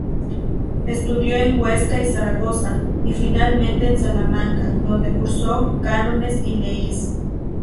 Estudió en Huesca y Zaragoza y finalmente en Salamanca, donde cursó Cánones y Leyes.